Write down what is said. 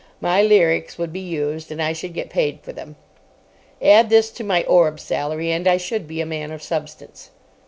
My lyrics would be used, and I should get paid for them. Add this to my Orb salary, and I should be a man of substance.